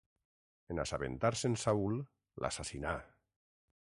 En assabentar-se'n Saül, l'assassinà.